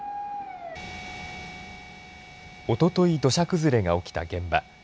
おととい土砂崩れが起きた現場。